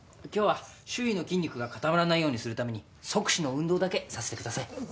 今日は周囲の筋肉が固まらないようにするために足趾の運動だけさせてください。